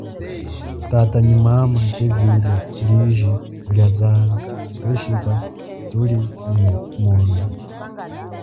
Tata nyi mama kevile liji lia zambi keshika thuli nyi mono.